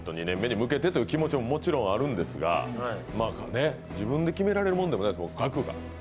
２年目に向けてという気持ちももちろんあるんですが自分で決められるもんでもない額が。